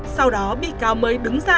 sau đó bị cáo mới đứng ra